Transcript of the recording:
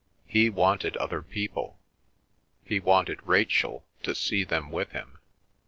He wanted other people; he wanted Rachel, to see them with him.